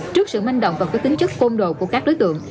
trước sự manh động và cái tính chất phôn đồ của các đối tượng